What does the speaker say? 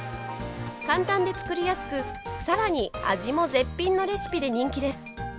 簡単で作りやすく、さらに味も絶品のレシピで人気です。